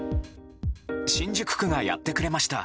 新宿区がやってくれました。